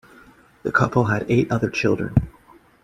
The couple had eight other children.